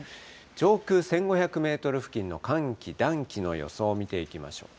上空１５００メートル付近の寒気、暖気の予想を見ていきましょう。